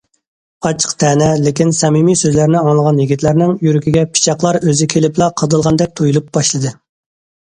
ئاچچىق تەنە، لېكىن سەمىمىي سۆزلەرنى ئاڭلىغان يىگىتلەرنىڭ يۈرىكىگە پىچاقلار ئۆزى كېلىپلا قادالغاندەك تۇيۇلۇپ باشلىدى.